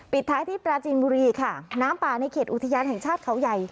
ปิดท้ายที่ประจิณมุฬีค่ะน้ำป่านโข่นในเขตอุทยานแห่งชาติเคราะห์ใหญ่